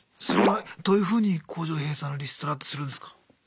それはどういうふうに工場閉鎖のリストラってするんですか？